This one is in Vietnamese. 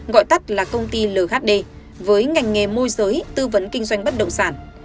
gọi tắt là công ty lhd với ngành nghề môi giới tư vấn kinh doanh bất động sản